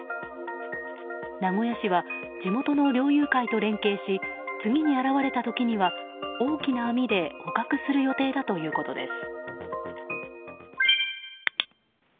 名古屋市は地元の猟友会と連携し次に現れた時には大きな網で捕獲する予定だということです。